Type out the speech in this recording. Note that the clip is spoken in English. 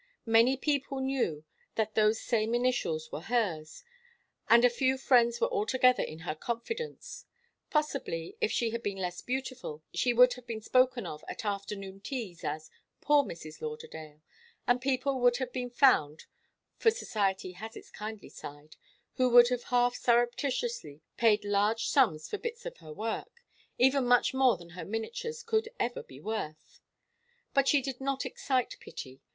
Many people knew that those same initials were hers, and a few friends were altogether in her confidence. Possibly if she had been less beautiful, she would have been spoken of at afternoon teas as 'poor Mrs. Lauderdale,' and people would have been found for society has its kindly side who would have half surreptitiously paid large sums for bits of her work, even much more than her miniatures could ever be worth. But she did not excite pity.